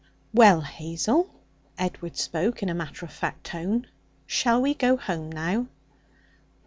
'Well, Hazel' Edward spoke in a matter of fact tone 'shall we go home now?'